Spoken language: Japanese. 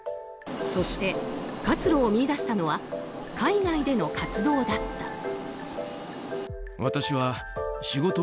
そして活路を見いだしたのは海外での活動だった。